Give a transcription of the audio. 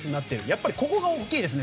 やっぱりここが大きいですね